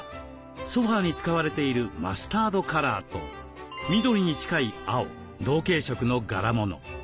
ソファーに使われているマスタードカラーと緑に近い青同系色の柄物。